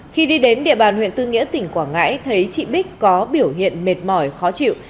khi đi đến địa bàn huyện tư nghĩa tỉnh quảng ngãi thấy chị bích có biểu hiện mệt mỏi khó chịu